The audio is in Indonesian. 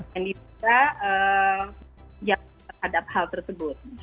yang diduga terhadap hal tersebut